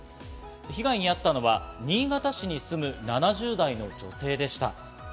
被害に遭ったのは新潟市に住む７０代の女性でした。